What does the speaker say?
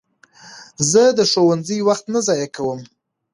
زه د ښوونځي وخت نه ضایع کوم.